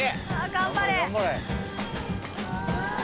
頑張れ。